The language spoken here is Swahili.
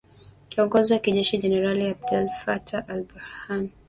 kiongozi wa kijeshi Jenerali Abdel Fattah al Burhan